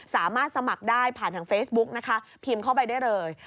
สามารถสมัครได้ผ่านทางเฟซบุ๊กนะคะพิมพ์เข้าไปได้เลย